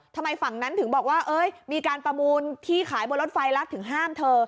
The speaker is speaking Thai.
ทำไมฝั่งนั้นถึงบอกว่ามีการประมูลที่ขายบนรถไฟแล้วถึงห้ามเธอ